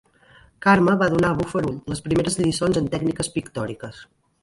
Carme va donar a Bofarull les primeres lliçons en tècniques pictòriques.